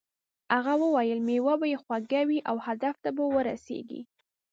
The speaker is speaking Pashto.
هغه وویل میوه به یې خوږه وي او هدف ته به ورسیږې.